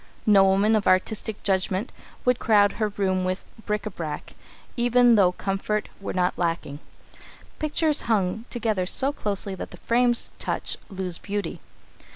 No woman of artistic judgment would crowd her rooms with bric à brac, even though comfort were not lacking. Pictures hung together so closely that the frames touch lose beauty.